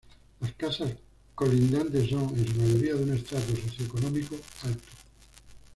Las casas colindantes son, en su mayoría, de un estrato socioeconómico alto.